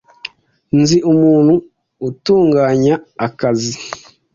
Nzi umuntu utunganya akazi.